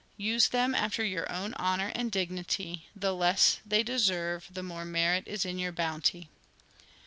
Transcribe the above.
. Use them after your own honour and dignity : the less they deserve the more merit is in your bounty."